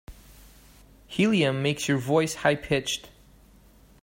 Helium makes your voice high pitched.